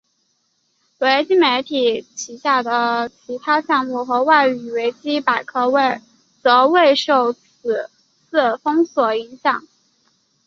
维基媒体旗下的其他项目和外语维基百科则未受此次封锁影响。